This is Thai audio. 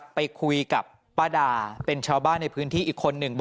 หลังจากพบศพผู้หญิงปริศนาตายตรงนี้ครับ